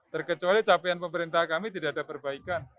terkecuali capaian pemerintah kami tidak ada perbaikan